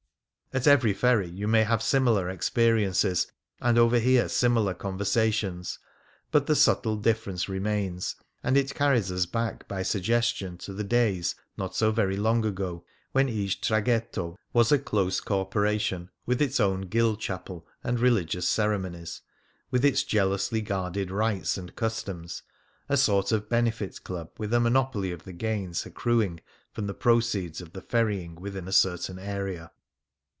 At every ferry you may have similar experiences, and overhear similar conversations. But the subtle difference re mains ; and it carries us back by suggestion to the days, not so very long ago, when each traghetto was a close corporation, with its own guild chapel and religious ceremonies, with its jealously guarded rights and customs — a sort of benefit club, with a monopoly of the gains accruing from the proceeds of the ferrying within a certain area.